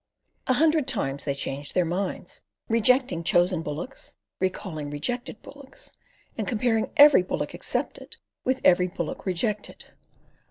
A hundred times they changed their minds: rejecting chosen bullocks, recalling rejected bullocks, and comparing every bullock accepted with every bullock rejected.